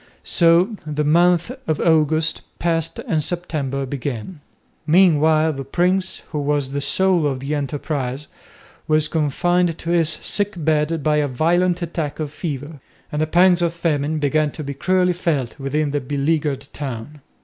So the month of August passed and September began. Meanwhile the prince, who was the soul of the enterprise, was confined to his sick bed by a violent attack of fever, and the pangs of famine began to be cruelly felt within the beleaguered town.